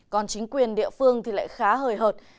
còn chính quyền địa phương thì lại khá hời hợt